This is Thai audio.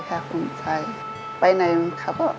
คุณแม่รู้สึกยังไงในตัวของกุ้งอิงบ้าง